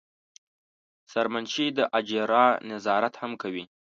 سرمنشي د اجرا نظارت هم کوي.